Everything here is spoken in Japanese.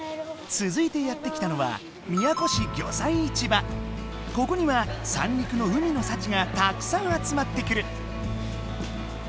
つづいてやって来たのはここには三陸の海の幸がたくさん集まってくる。